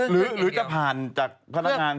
หรือจะผ่านจากพนักงาน